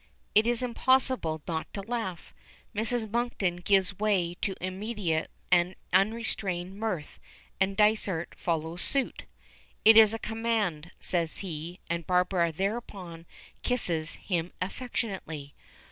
It is impossible not to laugh. Mrs. Monkton gives way to immediate and unrestrained mirth, and Dysart follows suit. "It is a command," says he, and Barbara thereupon kisses him affectionately.